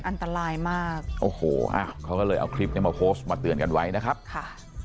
อันตรายมากโอ้โหอ่ะเขาก็เลยเอาคลิปเนี้ยมาโพสต์มาเตือนกันไว้นะครับค่ะ